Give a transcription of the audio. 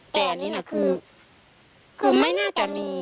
แต่อันนี้นะคือไม่น่าจะมี